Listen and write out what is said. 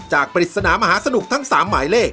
ปริศนามหาสนุกทั้ง๓หมายเลข